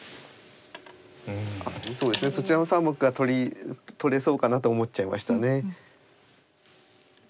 そうですねそちらの３目が取れそうかなと思っちゃいましたね。